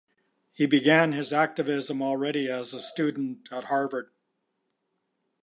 He began his activism already as student at Harvard.